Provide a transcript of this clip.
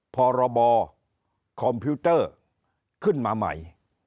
พรบคอมพิวเตอร์ขึ้นมาใหม่